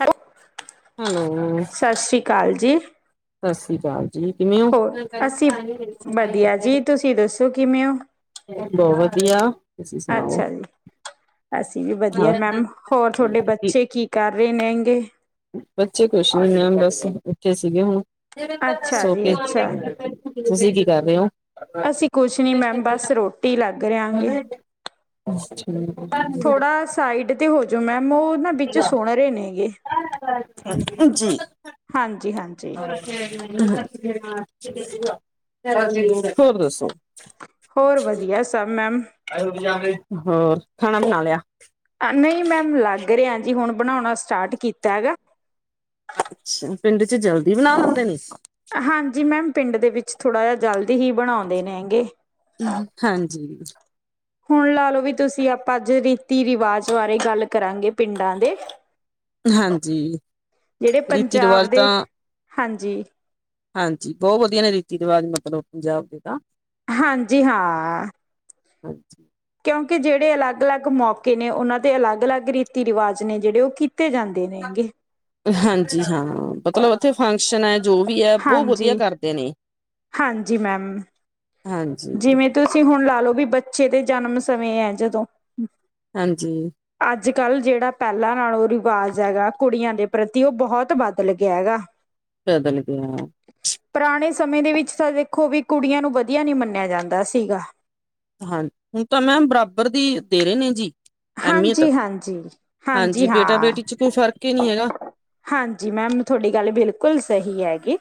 Hello, hello ਸਾਸ਼੍ਰੀ ਕਾਲ ਜੀ। ਸਾਸ਼੍ਰੀ ਕਾਲ ਜੀ, ਕਿਵੇਂ ਓ? ਹੋਰ ਅਸੀਂ ਵਧੀਆ ਜੀ ਤੁਸੀਂ ਦੱਸੋ ਕਿਵੇਂ ਹੋ ਬੋ‌ ਵਦੀਆ। ਅੱਛਾ ਜੀ, ਅਸੀ ਵੀ ਵਦੀਆ ਹਾਂ ਮੈਮ। ਹੋਰ ਤੋਡੇ ਬੱਚੇ ਕੀ ਕਾੱਰ ਰੇ ਨੇ ਨੇਂਗੇ ਬੱਚੇ ਕੋਸ਼ ਨੀ ਮੈਮ ਬਾੱਸ ਉਠੇ ਸੀਗੇ ਹੁਨ, ਅੱਛਾ ਜੀ ਸੋਕੇ ਅੱਛਾ ਤੁਸੀ ਕੀ ਕਾੱਰ ਰੇ ਓਂ। ਅਸੀ ਕੋਛ ਨੀ ਮੈਮ ਬਾੱਸ ਰੋਟੀ ਲਾੱਗ ਰਯਾਂਗੇ ਅੱਛਾ ਜੀ। ਥੋੜਾ ਸਾਈਡ ਤੇ ਹੋਜੋ ਮੈਮ ਓਹ ਨਾ ਬਿੱਚ ਸੋਣ ਰੇ ਨੇਗੇ। [unintelligible] ਜੀ। ਹਾਂਜੀ, ਹਾਂਜੀ। [unintelligible] ਹੋਰ ਦੱਸੋ। ਹੋਰ ਵਦੀਆ ਸਭ ਮੈਮ ਹੋਰ, ਖਾਣਾ ਬਣਾ ਲੇਆ। ਨਈ ਮੈਮ ਲਾੱਗ ਰੇਆ ਜੀ ਹੁਣ ਬਣੋਣਾ ਸਟਾਟ ਕੀਤਾ ਹੈਗਾ। ਅੱਛਾ, ਪਿੰਡ ਚ ਜਲਦੀ ਬਣਾ ਲੇਂਦੇ ਨੇ। ਹਾਂਜੀ ਮੈਮ, ਪਿੰਡ ਦੇ ਵਿੱਚ ਥੋੜਾ ਜਾ ਜਲਦੀ ਹੀ ਬਣੋਦੇ ਨੇ ਗੇ। ਹਾਂਜੀ। ਹੁਣ ਲਾ ਲਓ ਵੀ ਤੁਸੀ ਆਪਾਂ ਅੱਜ ਰੀਤੀ ਰਿਵਾਜ ਵਾਰੇ ਗਾੱਲ ਕਰਾਂਗੇ ਪਿੰਡਾਂ ਦੇ ਹਾਂਜੀ, ਜਿਹੜੇ ਰੀਤੀ ਪੰਜਾਬ ਰਵਾਜ਼ ਦੇ ਤਾਂ ਹਾਂਜੀ। ਹਾਂਜੀ, ਬੋ ਵਦੀਆ ਨੇ ਰੀਤੀ ਰਿਵਾਜ ਮਤਲਬ ਪੰਜਾਬ ਦੇ ਤਾਂ ਹਾਂਜੀ, ਹਾ। ਹਾਂਜੀ। ਕਯੋਂਕਿ ਜੇੜੇ ਅਲਾੱਗ, ਲਾੱਗ ਮੋਕੇ ਨੇ ਓਨਾਂ ਦੇ ਅਲਾੱਗ, ਲਾੱਗ ਰੀਤੀ ਰਿਵਾਜ਼ ਨੇ, ਜੇੜੇ ਓ ਕੀਤੇ ਜਾਂਦੇ ਨੇ ਗੇ। ਹਾਂਜੀ, ਹਾਂ ਮਤਲਬ ਓਥੇ ਫੰਕਸ਼ਨ ਐ। ਜੋ ਵੀ ਐ‌ ਬੋ ਵਦੀਆ ਹਾਂਜੀ ਕਾਰਦੇ ਨੇ, ਹਾਂਜੀ ਹਾਂਜੀ। ਤੁਸੀ ਹੁਣ ਲਾਲੋ ਵੀ ਬੱਚੇ ਦੇ ਜਨਮ ਸਮੇਂ ਐ, ਜਦੋਂ। ਹਾਂਜੀ। ਆੱਜ-ਕਾੱਲ ਜੇੜਾ ਪੈਲਾ ਨਾਲੋਂ ਰਿਵਾਜ ਹੈਗਾ, ਕੁੜੀਆਂ ਦੇ ਪ੍ਰਤੀ ਓ ਬੋਹਤ ਬਦਲ ਗੇਆਗਾ। ਬਦਲ ਗੇਆ ਪਰਾਣੇ ਸਮੇਂ ਦੇ ਵਿੱਚ‌ ਤਾ ਵੇਖੋ ਵੀ ਕੁੜੀਆਂ ਨੂੰ ਵਦੀਆ ਨੀ ਮੰਨੇਆ ਜਾਂਦਾ ਸੀਗਾ। ਹਾਂ, ਹੁਨ ਤਾਂ ਮੈਮ ਬਰਾਬਰ ਦੀ ਦੇਰੇ ਨੇ ਜੀ। ਐਮੀਅਤ। ਹਾਂਜੀ ਹਾਂਜੀ ਹਾਂਜੀ, ਬੇਟਾ ਹਾਂ ਬੇਟੀ ਚ ਕੋਈ ਫ਼ਰਕ ਕੀ ਨੀ ਹੈਗਾ। ਹਾਂਜੀ ਮੈਮ, ਥੋਡੀ ਗਾੱਲ ਬਿਲਕੁਲ‌ ਸਹੀ ਹੈਗੀ।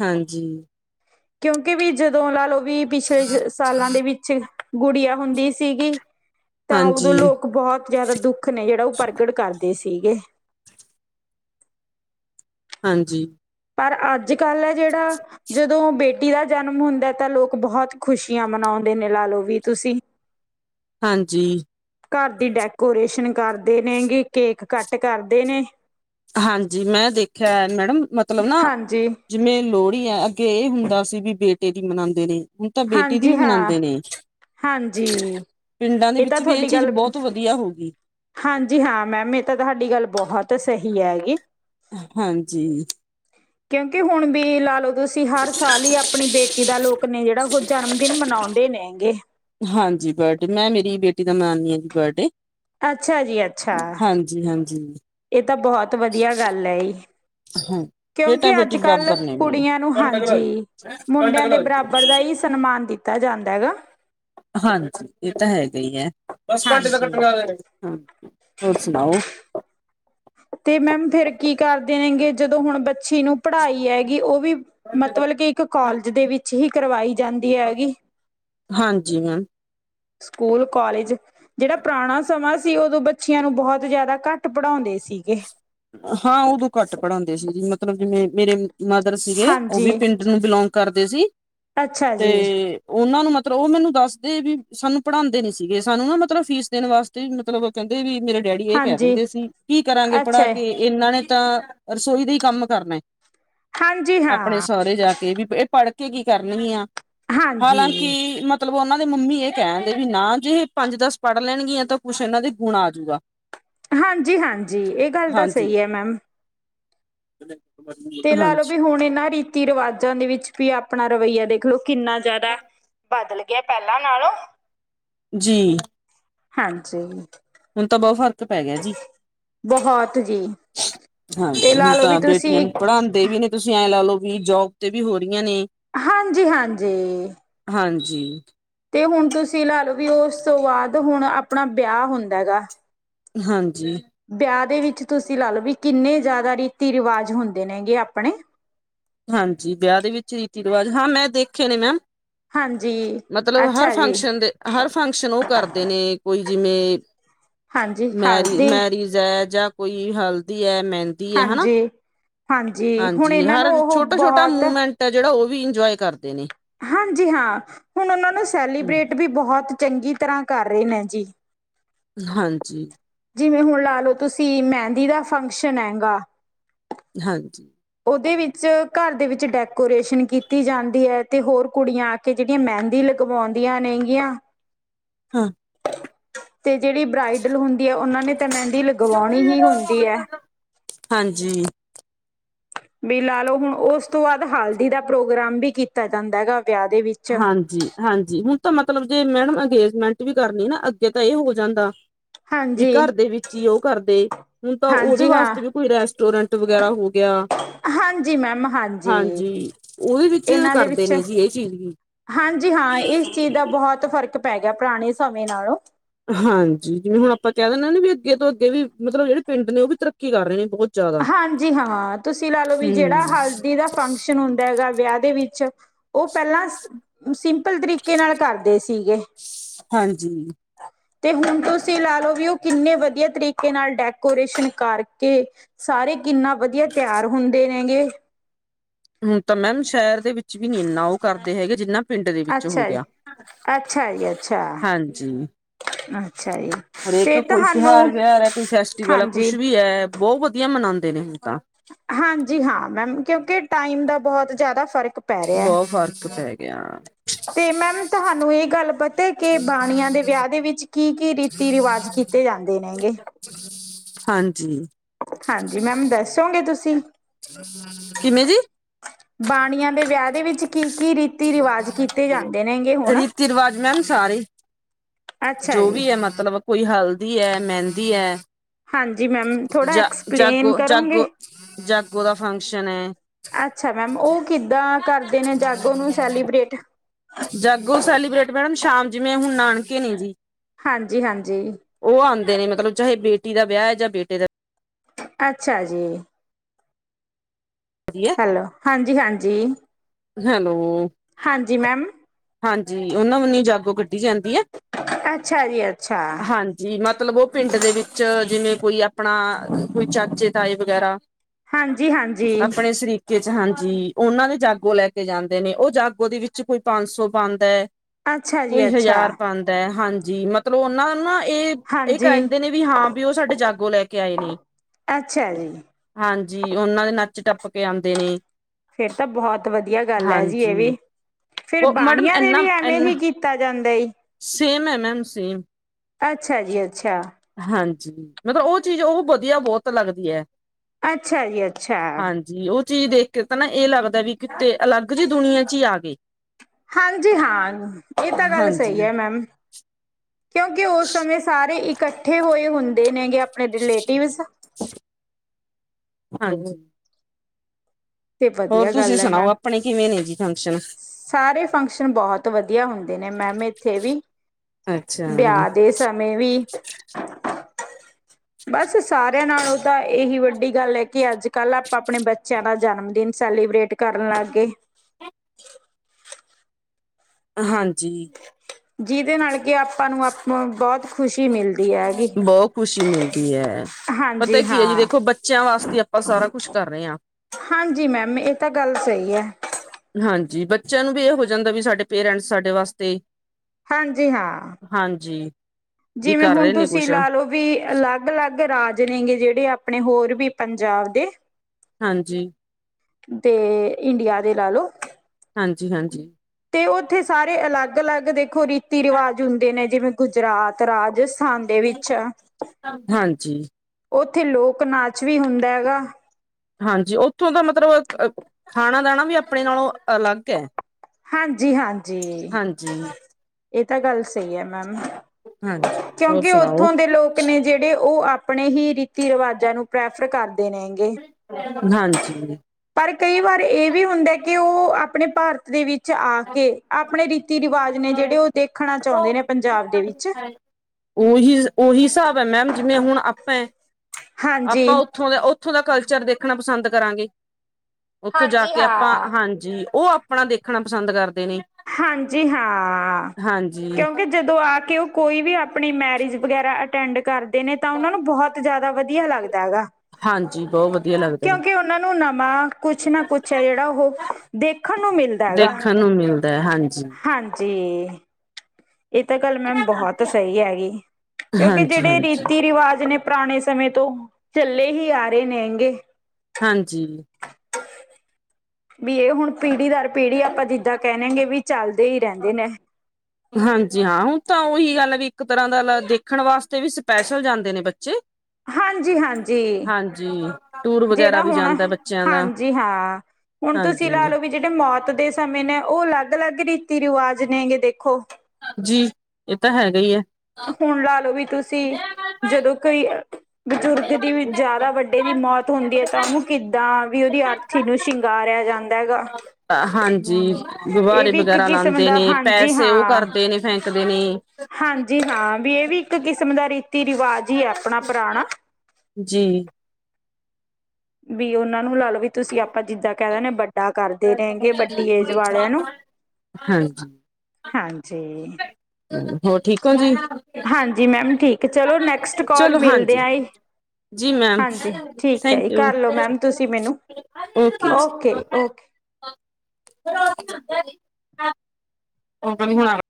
ਹਾਂਜੀ। ਕਯੋਂਕਿ ਵੀ ਜਦੋਂ ਲਾਲੋ ਵੀ ਪਿਛਲੇ ਜ ਸਾਲਾਂ ਦੇ ਵਿੱਚ ਗੁੜੀਆਂ ਹੁੰਦੀ ਸੀਗੀ, ਤਾਂ ਉਦੋਂ ਹਾਂਜੀ ਲੋਕ ਬੋਹਤ ਜੈਦਾ ਦੁੱਖ ਨੇ ਜੇੜਾ ਓ ਪ੍ਰਗਟ ਕਾਰਦੇ ਸੀਗੇ। ਹਾਂਜੀ। ਪਰ ਆੱਜ-ਕਾੱਲ ਐ ਜੇੜਾ ਜਦੋਂ ਬੇਟੀ ਦਾ ਜਨਮ ਹੁੰਦਾ ਤਾਂ ਲੋਕ ਬੋਹਤ ਖੁਸ਼ੀਆਂ ਮਨੋਓਂਦੇ ਨੇ ਲਾਲੋ‌ ਵੀ ਤੁਸੀ ਹਾਂਜੀ ਘਰ ਦੀ ਡੈਕੋਰੇਸ਼ਨ ਕਰਦੇ ਨੇਗੇ ਕੇਕ ਕੱਟ ਕਰਦੇ ਨੇ। ਹਾਂਜੀ ਮੈਂ ਦੇਖਿਆ ਮੈਡਮ ਮਤਲਬ ਨਾ ਹਾਂਜੀ ਜਿਵੇਂ ਲੋਹੜੀ ਹੈ ਅੱਗੇ ਇਹ ਹੁੰਦਾ ਸੀ ਵੀ ਬੇਟੇ ਦੀ ਮਨਾਦੇ ਨੇ। ਹੁਣ ਤਾਂ ਬੇਟੀ ਦੀ ਵੀ ਹਾਂਜੀ ਹਾਂ ਮਨਾਉਂਦੇ ਨੇ। ਹਾਂਜੀ ਪਿੰਡਾਂ ਦੇ ਵਿੱਚ ਵੀ ਇਹ ਚੀਜ਼ ਬਹੁਤ ਵਧੀਆ ਹੋ ਗਈ। ਹਾਜੀ ਹਾਂ ਮੈਮ ਇਹ ਤਾ ਤੁਹਾਡੀ ਗੱਲ ਬਹੁਤ ਸਹੀ ਹੈਗੀ। ਹਾਂਜੀ ਕਿਉਂਕਿ ਹੁਣ ਵੀ ਲਾ ਲਓ ਤੁਸੀਂ ਹਰ ਸਾਲ ਹੀ ਆਪਣੀ ਬੇ ਕਿਦਾ ਲੋਕ ਨੇ ਜਿਹੜਾ ਉਹ ਜਨਮ ਦਿਨ ਮਨਾਉਂਦੇ ਨੇਗੇ। ਹਾਂਜੀ ਬਰਡੇ ਮੈਂ ਮੇਰੀ ਬੇਟੀ ਦਾ ਮਨਾਉਂਦੀ ਹਾਂ ਜੀ ਬਰਡੇ। ਅੱਛਾ ਜੀ ਅੱਛਾ। ਹਾਂਜੀ ਇਹ ਤਾਂ ਬਹੁਤ ਵਧੀਆ ਗੱਲ ਹੈ। ਹਾਂ ਕਿਉਂਕਿ ਬੇਟਾ ਅੱਜ ਬੇਟੀ ਕੱਲ ਬਰਾਬਰ ਨੇ ਮੇਰੇ ਕੁੜੀਆਂ ਨੂੰ ਘੰਟਾ ਕਲਾ ਹਾਂਜੀ ਘੰਟਾ ਮੁੰਡਿਆਂ ਦੇ ਕਲਾ ਬਰਾਬਰ ਦਾ ਹੀ ਸਨਮਾਨ ਦਿੱ ਤਾ ਜਾਂਦਾ ਹੈਗਾ। ਹਾਂਜੀ ਇਹ ਤਾ ਹੈਗਾ ਹੀ ਹੈ ਹੋਰ ਹਾਂਜੀ ਸੁਣਾਓ। ਤੇ ਮੈਮ ਫੇਰ ਕੀ ਕਰਦੇ ਨੇਗੇ ਜਦੋਂ ਹੁਣ ਬੱਚੀ ਨੂੰ ਪੜ੍ਹਾਈ ਹੈਗੀ ਉਹ ਵੀ ਮਤਲਬ ਕਿ ਇੱਕ ਕਾਲਜ ਦੇ ਵਿੱਚ ਹੀ ਕਰਵਾਈ ਜਾਂਦੀ ਹੈਗੀ। ਹਾਂਜੀ ਮੈਮ ਸਕੂਲ, ਕਾਲਜ ਜਿਹੜਾ ਪੁਰਾਣਾ ਸਮਾ ਸੀ ਉਦੋਂ ਬ ਬਚੀਆਂ ਨੂੰ ਬਹੁਤ ਜਾਦਾ ਘੱਟ ਪੜ੍ਹਾਉਂਦੇ ਸੀਗੇ। ਹਾਂ ਉਦੋਂ ਘੱਟ ਪੜ੍ਹਾਉਂਦੇ ਸੀ ਜ ਮਤਲਬ ਜਿਵੇਂ ਮੇਰੇ ਮਦਰ ਸੀਗੇ ਉਹ ਵੀ ਹਾਂਜੀ ਪਿੰਡ ਨੂੰ ਬਿਲੋਂਗ ਕਰਦੇ ਸੀ ਅੱਛਾ ਤੇ ਜੀ ਉਹਨਾ ਨੂੰ ਮਤਲਬ ਉਹ ਮੈਨੂੰ ਦੱਸਦੇ ਵੀ ਸਾਨੂੰ ਪੜ੍ਹਾਉਦੇ ਨੀ ਸੀਗੇ ਸਾਨੂੰ ਨਾ ਮਤਲਬ ਫੀਸ ਦੇਣ ਵਾਸ ਤੇ ਮਤਲਬ ਕਹਿੰਦੇ ਵੀ ਮੇਰੇ ਡੈਡੀ ਇਹ ਕਹਿ ਹਾਂਜੀ ਦਿੰਦੇ ਸੀ ਕੀ ਕਰਾਂਗੇ ਅੱਛਾ ਪੜ੍ਹਾ ਇਹਨਾ ਨੇ ਤਾ ਰਸੋਈ ਦਾ ਹੀ ਕੰਮ ਕਰਨਾ। ਹਾਂਜੀ ਆਪਣੇ ਹਾਂ ਸਹੁਰੇ ਜਾ ਕੇ ਵੀ ਇਹ ਪੜ੍ਹ ਕੇ ਕੀ ਕਰਨੀਆ, ਹਾਂਜੀ ਹਾਲਾਂਕਿ ਮਤ ਤਲਬ ਉਹਨਾਂ ਦੇ ਮੰਮੀ ਇਹ ਕਹਿ ਦਿੰਦੇ ਵੀ ਨਾ ਜੀ ਪੰਜ ਦਸ ਪੜ ਲੈਣਗੀਆ ਤਾ ਕੁੱਛ ਇਹਨਾ ਦੇ ਗੁਣ ਆਜੂਗਾ। ਹਾਂਜੀ-ਹਾਂਜੀ ਇਹ ਗੱਲ ਤਾ ਹਾਂਜੀ ਸਹੀ ਹੈ ਮੈਮ। [inaudible] ਤੇ ਲਾ ਲਓ ਵੀ ਹੁਣ ਇਹਨਾਂ ਰੀਤੀ ਰਿਵਾਜਾ ਦੇ ਵਿੱਚ ਵੀ ਆਪਣਾ ਰਵੱਈਆ ਦੇਖ ਲਓ ਕਿੰਨਾ ਜਿਆਦਾ ਬਦਲ ਗਿਆ ਪਹਿਲਾਂ ਨਾਲੋਂ। ਜੀ। ਹਾਂਜੀ। ਹੁਨ ਤਾਂ ਬਹੁਤ ਫ਼ਰਕ ਪੈ ਗਿਆ ਜੀ। ਬਹੁਤ ਜੀ ਤੇ ਹਾਂਜੀ ਲਾ ਹੁਨ ਲਓ ਵੀ ਤਾਂ ਬੇਟੀਆ ਤੁਸੀਂ ਨੂੰ ਪੜਾਉਂਦੇ ਵੀ ਨੇ। ਤੁਸੀਂ ਐਂ ਲਾ ਲਓ ਵੀ ਜੋਬ ਤੇ ਵੀ ਹੋ ਰਹੀਆ ਨੇਂ। ਹਾਂਜੀ-ਹਾਂਜੀ। ਹਾਂਜੀ। ਤੇ ਹੁਣ ਤੁਸੀ ਲਾ ਲਓ ਵੀ ਉਸ ਤੋਂ ਬਾਅਦ ਹੁਣ ਆਪਣਾ ਬਿਆਹ ਹੁੰਦਾ ਗਾ। ਹਾਂਜੀ। ਵਿਆਹ ਦੇ ਵਿੱਚ ਤੁਸੀ ਲਾ ਲਓ ਵੀ ਕਿੰਨੇ ਜਾਦਾ ਰੀਤੀ ਰਿਵਾਜ ਹੁੰਦੇ ਨੇ ਹੈਗੇ ਆਪਣੇ। ਹਾਂਜੀ ਵਿਆਹ ਦੇ ਵਿੱਚ ਰੀਤੀ ਰਿਵਾਜ ਹਾਂ ਮੈਂ ਦੇਖੇ ਨੇ ਮੈਮ। ਹਾਂਜੀ। ਮਤਲਬ ਹਰ ਅੱਛਾ ਜੀ ਫੰਕਸ਼ਨ ਦੇ ਹਰ ਫੰਕਸ਼ਨ ਉਹ ਕਰਦੇ ਨੇ ਕੋਈ ਜਿਵੇਂ ਹਾਂਜੀ ਮੈਰੀ ਹਲਦੀ ਮੈਰਿਜ਼ ਹੈ ਜਾਂ ਕੋਈ ਹਲਦੀ ਹੈ ਮਹਿੰ ਹਾਂਜੀ-ਹਾਂਜੀ ਹੁਣ ਹਾਂਜੀ ਇਹਨਾਂ ਨੂੰ ਹਰ ਉਹ ਛੋਟਾ ਛੋਟਾ ਬਹੁਤ [unintelligible] ਜਿਹੜਾ ਉਹ ਵੀ ਇੰਜੋਏ ਕਰਦੇ ਨੇ। ਹਾਂਜੀ ਹਾ ਹੁਨ ਉਹਨਾ ਨੂੰ ਸੈਲੀਬ੍ਰੇਟ ਵੀ ਬਹੁਤ ਚੰਗੀ ਤਰਾ ਕਰ ਰਹੇ ਨੇ ਜੀ। ਹਾਂਜੀ। ਜਿਵੇਂ ਹੁਣ ਲਾ ਲਓ ਤੁਸੀ, ਮਹਿੰਦੀ ਦਾ ਫੰਕਸ਼ਨ ਹੈਂਗਾ। ਹਾਂਜੀ। ਉਹਦੇ ਵਿੱਚ, ਘਰ ਦੇ ਵਿੱਚ ਡੈਕੋਰੇਸ਼ਨ ਕੀਤੀ ਜਾਂਦੀ ਹੈ। ਤੇ ਹੋਰ ਕੁੜੀਆਂ ਕਿ ਜਿਹੜੀਆਂ ਮਹਿੰਦੀ ਲਗਵਾਉਂਦੀਆਂ ਨੇਗੀਆਂ। ਹੰ ਤੇ ਜਿਹੜੀ ਬਰਾਇਡਲ ਹੁੰਦੀ ਹੈ, ਉਹਨਾਂ ਨੇ ਤਾਂ ਮਹਿੰਦੀ ਲਗਵਾਉਣੀ ਹੀ ਹੁੰਦੀ ਹੈ। ਹਾਂਜੀ। ਬਈ ਲਾ ਲਓ ਹੁਣ ਉਸ ਤੋ ਬਾਅਦ ਹਲਦੀ ਦਾ ਪ੍ਰੋਗਰਾਮ ਬੀ ਕੀਤਾ ਜਾਂਦਾ ਹੈਗਾ, ਵਿਆਹ ਦੇ ਵਿੱਚ। ਹਾਂਜੀ-ਹਾਂਜੀ ਹੁਣ ਤਾ ਮਤਲਬ ਜੇ ਮੈਡਮ ਅੰਗੇਜਮੈਂਟ ਵੀ ਕਰਨੀ ਨਾ, ਅੱਗੇ ਤਾ ਇਹ ਹੋ ਜਾਂਦਾ। ਵੀ ਹਾਂਜੀ ਘਰ ਦੇ ਵਿੱਚ ਹੀ ਉਹ ਕਰਦੇ। ਹੁਣ ਤਾ ਉਹਦੇ ਹਾਂਜੀ ਹਾਂ ਵਾਸਤੇ ਵੀ ਕੋਈ ਰੈਸਟੋਰੈਂਟ ਵਗੈਰਾ ਹੋ ਗਿਆ। ਹਾਂਜੀ ਮੈਮ ਹਾਂਜੀ, ਉਹਦੇ ਵਿੱਚ ਇਹਨਾਂ ਦੇ ਕਰਦੇ ਵਿੱਚ ਨੇ ਜੀ ਇਹ ਚੀਜ ਵੀ। ਹਾਂਜੀ, ਹਾਂ ਇਸ ਚੀਜ ਦਾ ਬਹੁਤ ਫਰਕ ਪੈ ਗਿਆ ਪੁਰਾਣੇ ਸਮੇਂ ਨਾਲੋਂ। ਹਾਂਜੀ ਜਿਵੇਂ ਹੁਣ ਆਪਾਂ ਕਹਿ ਦਿੰਦੇ ਨੇਂ ਆ ਵੀ ਅੱਗੇ ਤੋ ਅੱਗੇ ਵੀ, ਮਤਲਬ ਜਿਹੜੇ ਪਿੰਡ ਨੇ ਉਹ ਵੀ ਤਰੱਕੀ ਕਰ ਰਹੇ ਨੇ ਬਹੁਤ। ਜ਼ਿਆਦਾ ਹਾਂਜੀ, ਹਾਂ ਤੁਸੀਂ ਲਾ ਲਓ ਵੀ ਹਮ ਜਿਹੜਾ ਹਲਦੀ ਦਾ ਫੰਕਸ਼ਨ ਹੁਨ ਦਾ ਹੈਗਾ ਵਿਆਹ ਦੇ ਵਿੱਚ, ਉਹ ਪਹਿਲਾਂ ਸ ਸਿੰਪਲ ਤਰੀਕੇ ਨਾਲ ਕਰਦੇ ਸੀਗੇ। ਸ, ਹਾਂਜੀ। ਤੇ ਹੁਣ ਤੁਸੀਂ ਲਾ ਲਓ ਵੀ, ਉਹ ਕਿੰਨੇ ਵਧੀਆ ਤਰੀਕੇ ਨਾਲ ਡੈਕੋਰੇਸ਼ਨ ਕਰਕੇ ਸਾਰੇ ਕਿੰਨਾ ਵਧੀਆ ਤਿਆਰ ਹੁੰਦੇ ਨੇਗੇ। ਹੁਣ ਤਾ ਮੈਮ ਸ਼ਹਿਰ ਦੇ ਵਿੱਚ ਵੀ ਨੀ ਇੰਹਨਾ ਉਹ ਕਰਦੇ ਹੈਗੇ, ਜਿੰਹਨਾ ਪਿੰਡ ਦੇ ਵਿੱਚ ਹੋ ਅੱਛਾ ਜੀ ਗਿਆ, ਅੱਛਾ ਜੀ ਅੱਛਾ ਹਾਂਜੀ। ਅੱਛਾ ਜੀ ਹਰੇਕ ਤੇ ਕੋਈ ਤਿਉਹਾਰ ਤੁਹਾਨੂੰ ਵਿਹਾਰ ਹੈ, ਕੋਈ ਫੈਸਟੀਵਲ ਹੈ, ਹਾਂਜੀ ਕੁਛ ਵੀ ਹੈ। ਬਹੁਤ ਵਧੀਆ ਮਨਾਉਂਦੇ ਨੇ ਹੁਣ ਤਾਂ। ਹਾਂਜੀ! ਹਾਂ ਮੈਮ, ਕਿਉਂਕਿ ਟਾਈਮ ਦਾ ਬਹੁਤ ਜ਼ਿਆਦਾ ਫ਼ਰਕ ਪੈ ਰਿਹਾ ਬਹੁਤ ਫਰਕ ਪੈ ਗਿਆ। ਤੇ ਮੈਮ, ਤੁਹਾਨੂੰ ਇਹ ਗੱਲ ਪਤ ਤਾ ਏ ਕਿ ਬਾਣੀਆਂ ਦੇ ਵਿਆਹ ਦੇ ਵਿੱਚ ਕੀ-ਕੀ ਰੀਤੀ ਰਿਵਾਜ ਕੀਤੇ ਜਾਂਦੇ ਨੇਂ ਹੈਗੇ। ਹਾਂਜੀ। ਹਾਂਜੀ ਮੈਮ ਦੱਸੋਗੇ ਤੁਸੀਂ ਕਿਵੇਂ ਜ ਬਾਣੀਆਂ ਦੇ ਵਿਆਹ ਦੇ ਵਿੱਚ ਕੀ ਕੀ ਰੀਤੀ ਰਿਵਾਜ਼ ਕੀਤੇ ਜਾਂਦੇ ਨੇਗੇ ਹੁਣ। ਰੀਤੀ ਰਿਵਾਜ ਮੈਮ ਸਾਰੇ ਅੱਛਾ ਜੋ ਜੀ ਵੀ ਹੈ ਮਤਲਬ ਕੋਈ ਹਲਦੀ ਹੈ ਮਹਿੰਦੀ ਹੈ। ਹਾਂਜੀ ਮੈਮ ਥੋੜਾ ਜਾ ਐਕਸਪਲੇਨ ਜਾਗੋ ਕਰੋਗੇ। ਜਾਗੋ ਜਾਗੋ ਦਾ ਫੰਕਸ਼ਨ ਹੈ ਅੱਛਾ ਮੈਮ ਉਹ ਕਿੱਦਾਂ ਕਰਦੇ ਨੇ ਜਗ ਉਹ ਨੂੰ ਸੈਲੀਬ੍ਰਟ ਜਾਗੋ ਸੈਲੀਬ੍ਰੇਟ ਮੈਡਮ ਸ਼ਾਮ ਜਿਵੇਂ ਹੁਣ ਨਾਨਕੇ ਨੇ ਜੀ। ਹਾਂਜੀ ਹਾਂਜੀ। ਉਹ ਆਉਂਦੇ ਨੇ ਮਤਲਬ ਚਾਹੇ ਬੇਟੀ ਦਾ ਵਿਆਹ ਹੈ ਜਾਂ ਬੇਟੇ ਦਾ। ਅੱਛਾ ਜੀ। ਵਧੀਆ। ਹੈਲੋ ਹਾਂਜੀ ਹਾਂਜੀ। ਹੈਲੋ। ਹਾਂਜੀ ਮੈਮ ਹਾਂਜੀ ਉਹਨਾ ਵ ਨੂੰ ਜਾਗੋ ਕੱਢੀ ਜਾਂਦੀ ਹੈ। ਅੱਛਾ ਜੀ ਅੱਛਾ। ਜੀ ਮਤਲਬ ਉਹ ਪਿੰਡ ਦੇ ਵਿੱਚ ਜਿਵੇਂ ਕੋਈ ਆਪਣਾ ਕੋਈ ਚਾਚੇ ਤਾਏ ਵਗੈਰਾ। ਹਾਂਜੀ ਹਾਂਜੀ। ਆਪਣੇ ਸਰੀਕ ਚ ਹਾਂਜੀ ਉਹਨਾਂ ਦੇ ਜਾਗੋ ਲੈ ਕੇ ਜਾਂਦੇ ਨੇ ਉਹ ਜਾਗੋ ਦੇ ਵਿੱਚ ਕੋਈ ਪੰਜ ਸੌ ਬੰਦ ਹੈ। ਅੱਛਾ ਜੀ ਕੋਈ ਅੱਛਾ ਹਜ਼ਾਰ ਬੰਦ ਹੈ ਹਾਂਜੀ ਮਤਲਬ ਉਹਨਾਂ ਨੂੰ ਨਾ ਇਹ ਇਹ ਹਾਂਜੀ ਕਹਿੰਦੇ ਨੇ ਵੀ ਹਾਂ ਬ ਉਹ ਸਾਡੇ ਜਾਗੋ ਲੈ ਕੇ ਆਏ ਨੇ। ਅੱਛਾ ਜੀ ਹਾਂਜੀ ਉਹਨਾਂ ਦੇ ਨੱਚ ਟੱਪ ਕੇ ਆਉਂਦੇ ਨੇ। ਫੇਰ ਤਾਂ ਬਹੁਤ ਵਧੀਆ ਗੱਲ ਹੈ ਜੀ ਇਹ ਹਾਂਜੀ ਵੀ ਫੇਰ ਉਹ ਮੈਡਮ ਬਾਣੀਆਂ ਦੇ ਵੀ ਇਨਾ ਐਵੇਂ ਹੀ। ਇਨਾ ਕੀਤਾ ਜਾਂਦਾ ਏ। ਸੇਮ ਹੈ ਮੈਮ ਸੇਮ। ਅੱਛਾ ਜੀ ਅੱਛਾ। ਹਾਂਜੀ ਮਤਲਬ ਉਹ ਚੀਜ਼ ਉਹ ਵਧੀਆ ਬਹੁਤ ਲੱਗਦੀ ਹੈ। ਅੱਛਾ ਜੀ ਅੱਛਾ। ਜੀ ਉਹ ਚੀਜ਼ ਦੇਖ ਕੇ ਤਾਂ ਨਾ ਇਹ ਲੱਗਦਾ ਵੀ। ਕਿਤੇ ਅਲੱਗ ਜਹੀ ਦੁਨੀਆਂ ਚ ਹੀ ਆ ਗ ਹਾਂਜੀ ਹਾਂ ਇਹ ਤਾਂ ਗੱਲ ਹਾਂਜੀ। ਸਹੀ ਹੈ ਕਿਉਂਕਿ ਉਸ ਸਮੇਂ ਸਾਰੇ ਇਕੱਠੇ ਹੋਏ ਹੁੰਦੇ ਨੇਗੇ। ਆਪਣੇ ਰਿਲੇਟਿਵਸ ਹਾਂਜੀ। ਤੇ ਹੋਰ ਵਧੀਆ ਤੁਸੀਂ ਗੱਲ ਹੈ ਸੁਣਾਓ ਮੈਂ ਆਪਣੇ ਕਿਵੇਂ ਨੇ ਜੀ ਫੰਕਸ਼ਨ। ਸਾਰੇ ਫੰਕਸ਼ਨ ਬਹੁਤ ਵਧੀਆ ਹੁੰਦੇ ਨੇ ਮੈਮ ਇੱਥੇ ਵੀ ਅੱਛਾ। ਜ਼ ਦੇ ਸਮੇਂ ਵੀ ਬਸ ਸਾਰਿਆਂ ਨਾਲ। ਤਾਂ ਇਹੀ ਵੱਡੀ ਗੱਲ ਹੈ ਕਿ ਅੱਜ ਕੱਲ ਆਪਾਂ ਆਪਣੇ ਬੱਚਿਆਂ ਦਾ ਜਨਮ ਦਿਨ ਸੈਲੀਬ੍ਰੇਟ ਕਰਨ ਲੱਗ ਗਏ। ਹਾਂਜੀ। ਜਿਹਦੇ ਨਾਲ ਕਿ ਆਪਾਂ ਨੂੰ ਆਪ ਬਹੁਤ ਖੁਸ਼ੀ ਮਿਲਦੀ ਹੈ। ਬਹੁਤ ਖ਼ੁਸ਼ੀ ਮਿਲਦੀ ਹੈ ਪਤਾ ਹਾਂਜੀ ਕੀ ਹੈ ਜੀ ਹਾਂ ਦੇਖੋ ਬੱਚਿਆਂ ਵਾਸਤੇ। ਆਪ ਸਾਰਾ ਕੁੱਛ ਕਰ ਰਹੇ ਹਾਂ। ਹਾਂਜੀ ਮੈਮ ਇਹ ਤਾਂ ਗੱਲ ਸਹੀ ਹੈ। ਹਾਂਜੀ ਬੱਚਿਆਂ ਨੂੰ ਵੀ ਇਹ ਹੋ ਜਾਂਦਾ ਵੀ ਸਾਡੇ ਪੇਰੈਂਟਸ ਸਾਡੇ ਵਾਸਤੇ। ਹਾਂਜੀ ਹਾਂ। ਹਾਂਜੀ ਵੀ ਜਿਵੇਂ ਕਰ ਹੁਣ ਰਹੇ ਨੇ ਤੁਸੀਂ ਕੁਛ ਲਾ ਲਓ ਵੀ ਅਲੱਗ ਅਲੱਗ ਰਾਜ ਨੇ ਜਿਹੜੇ ਆਪਣੇ ਹੋਰ ਵੀ ਪੰਜਾਬ ਦੇ ਹਾਂਜੀ਼। ਤੇ ਇੰਡੀਆ ਦੇ ਲਾ ਲਓ। ਹਾਂਜੀ, ਹਾਂਜੀ਼। ਤੇ ਉੱਥੇ ਸਾਰੇ ਅਲੱਗ ਅਲੱਗ ਦੇਖੋ ਰੀਤੀ ਰਿਵਾਜ ਹੁੰਦੇ ਨੇ ਜਿਵੇਂ ਗੁਜਰਾਤ, ਰਾਜਸਥਾਨ਼। ਰਾਜਸਥਾਨ ਦੇ ਵਿੱਚ ਹੈ। ਹਾਂਜੀ ਉੱਥੇ ਲੋਕ ਨਾਚ ਵੀ ਹੁੰਦਾ ਹੈਗਾ। ਹਾਂਜੀ ਉੱਥੋਂ ਦਾ ਮਤਲਬ ਖਾਣਾ ਦਾਣਾ ਵੀ ਆਪਣੇ ਨਾਲੋਂ ਅਲੱਗ ਹੈ। ਹਾਂਜੀ, ਹਾਂਜੀ ਹਾਂਜੀ ਇਹ ਤਾਂ ਗੱਲ ਸਹੀ ਹੈ ਮੈਮ। ਹਾਂਜੀ ਹੋਰ ਕਿਉਂਕਿ ਸੁਣਾਓ ਉੱਥੋਂ ਦੇ ਲੋਕ ਲੋਕ ਨੇ ਜਿਹੜੇ ਉਹ ਆਪਣੇ ਹੀ ਰੀਤੀ ਰਿਵਾਜਾਂ ਨੂੰ ਪ੍ਰੈਫਰ ਕਰਦੇ ਨੇਗੇ। ਹਾਂਜੀ। ਪਰ ਕਈ ਵਾਰ ਇਹ ਵੀ ਹੁੰਦਾ ਕਿ ਉਹ ਆਪਣੇ ਭਾਰਤ ਦੇ ਵਿੱਚ ਆ ਕੇ ਆਪਣੇ ਰੀਤੀ ਰਿਵਾਜ ਨੇ ਜਿਹੜੇ ਉਹ ਦੇਖਣਾ ਚਾਹੁੰਦੇ ਨੇ ਪੰਜਾਬ ਦੇ ਵਿੱਚ ਉਹੀ ਉਹੀ ਹਿਸਾਬ ਹੈ ਮੈਮ ਜਿਵੇਂ ਹੁਣ ਆਪਾਂ ਹਾਂਜੀ ਆਪਾਂ ਉੱਥੋਂ ਦਾ ਉੱਥੋਂ ਦਾ ਕਲਚਰ ਦੇਖਣਾ ਪਸੰਦ ਕਰਾਂਗੇ। ਉੱਥੋਂ ਜਾ ਹਾਂਜੀ ਕੇ ਆਪਾਂ ਹਾਂ ਹਾਂਜੀ, ਉਹ ਆਪਣਾ ਦੇਖਣਾ ਪਸੰਦ ਕਰਦੇ ਨੇ। ਹਾਂਜੀ ਹਾਂ ਹਾਂਜੀ ਕਿਉਂਕਿ ਜਦੋਂ ਆ ਕੇ ਉਹ ਕੋਈ ਵੀ ਆਪਣੀ ਮੈਰਿਜ ਵਗੈਰਾ ਅਟੈਂਡ ਕਰ ਨੇ ਤਾਂ ਉਹਨਾਂ ਨੂੰ ਬਹੁਤ ਜ਼ਿਆਦਾ ਵਧੀਆ ਲੱਗਦਾ ਹੈਗਾ਼। ਹਾਂਜੀ ਬਹੁਤ ਵੀਆ ਲੱਗਦਾ। ਹੈ ਕਿਉਂਕਿ ਉਹਨਾਂ ਨੂੰ ਨਵਾ ਕੁਛ ਨਾ ਕੁਛ ਹੈ ਜਿਹੜਾ ਉਹ ਦੇਖਣ ਨੂੰ ਮਿਲਦਾ ਹੈਗਾ। ਦੇਖਣ ਨੂੰ ਮਿਲ ਦੇ ਹਾਂਜੀ। ਹਾਂਜੀ। ਇਹ ਤਾਂ ਗੱਲ ਮੈਮ ਬਹੁਤ ਸਹੀ ਹੈਗੀ ਕਿਉਂਕਿ ਹਾਂਜੀ ਜਿਹੜੇ ਹਾਂਜੀ ਰੀਤੀ ਰਿਵਾਜ ਨੇ ਪੁਰਾਣੇ ਸਮੇਂ ਤੋਂ ਚੱਲੇ ਹੀ ਆ ਰਹੇ ਨੇ ਹਿੰਗੇ। ਹਾਂਜੀ। ਵੀ ਇਹ ਹੁਣ ਪੀੜ੍ਹੀ ਦਰ ਪੀੜ੍ਹੀ ਆਪਾਂ ਜਿੱਦਾਂ ਕਹਿਣਗੇ ਵੀ ਚੱਲਦੇ ਹੀ ਰਹਿੰਦੇ ਨੇ। ਹਾਂਜੀ ਹਾ ਹੁਣ ਤਾ ਉਹੀ ਗੱਲ ਵੀ ਇੱਕ ਤਰ੍ਹਾ ਦਾ ਦੇਖਣ ਵਾਸਤੇ ਵੀ ਸਪੈਸ਼ਲ ਜਾਂਦੇ ਨੇ ਬੱਚੇ। ਹਾਂਜੀ-ਹਾਂਜੀ ਹਾਂਜੀ ਟੂਰ ਵਗੈਰਾ ਜਿਹੜਾ ਵੀ ਹੁਣ ਜਾਂਦਾ ਬੱਚਿਆਂ ਦਾ ਹਾਂਜੀ ਹਾਂ। ਹੁਣ ਤੁਸੀ ਲਾ ਹਾਂਜੀ ਲਓ ਵੀ ਜਿਹੜੇ ਮੌਤ ਦੇ ਸਮੇਂ ਨੇ ਉਹ ਅਲਗ-ਅਲਗ ਰੀਤੀ ਰਿਵਾਜ਼ ਨੇਗੇ ਦੇਖੋ। ਜੀ ਇਹ ਤਾਂ ਹੈਗਾ ਹੀ ਹੈ। ਹੁਣ ਲਾ ਲੋ ਵੀ ਤੁਸੀਂ ਜਦੋਂ ਕੋਈ ਬਜ਼ੁਰਗ ਦੀ ਜਾਦਾ ਵੱਡੀ ਦੀ ਮੌਤ ਹੁੰਦੀ ਹੈ ਤਾਂ ਉਹਨੂੰ ਕਿੱਦਾਂ ਵੀ ਉਹਦੀ ਅਰਥੀ ਨੂੰ ਸ਼ਿੰਗਾਰਿਆ ਜਾਂਦਾ ਹੈਗਾ। ਹਾਂਜੀ। ਇਹ ਗੁਬਾਰੇ ਵੀ ਇੱਕ ਵਗੈਰਾ ਕਿਸਮ ਲਾਉਂਦੇ ਦਾ ਨੇ ਹਾਂਜੀ ਪੈਸੇ ਉਹ ਹਾਂ ਕਰਦੇ ਨੇ ਫੈਂਕਦੇ ਨੇ। ਜੀ ਹਾਂ ਵੀ ਇਹ ਵੀ ਇੱਕ ਕਿਸਮ ਦਾ ਰੀਤੀ ਰਿਵਾਜ ਹੀ ਹੈ ਆਪਣਾ ਪੁਰਾਣਾ। ਜੀ। ਵੀ ਉਹਨਾ ਨੂੰ ਲ ਲਵੇ ਤੁਸੀ ਆਪਾਂ ਜਿੱਦਾ ਕਹਿ ਦਿੰਦੇ ਵੱਡਾ ਕਰਦੇ ਰਹਗੇ ਵੱਡੀ ਏਜ ਵਾਲਿਆ ਨੂੰ। ਹਾਂਜੀ਼। ਹਾਂਜੀ਼। ਹੋਰ ਠੀਕ ਹੋ ਜੀ। ਹਾਂਜੀ ਮੈਮ ਠੀਕ ਚਲੋ ਨੈਕਸਟ ਕੋਲ ਚਲੋ ਮਿਲਦੇ ਹਾਂਜੀ ਆ ਈ ਜੀ ਮੈਮ ਹਾਂਜੀ ਠੀਕ ਹੈ ਥੈਂਕ ਜੀ ਯੂ ਕਰਲੋ ਮੈਮ ਤੁਸੀਂ ਮੈਨੂੰ ਓਕੇ ਓਕ। [unintelligible]